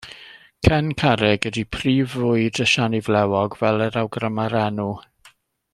Cen carreg ydy prif fwyd y siani flewog, fel yr awgryma'r enw.